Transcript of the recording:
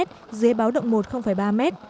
dưới báo động một ba m